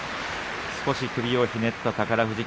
少し首をひねった宝富士